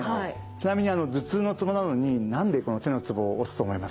ちなみに頭痛のツボなのに何でこの手のツボを押すと思いますか？